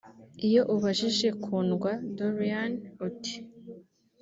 Iyo ubajije Kundwa Doriane uti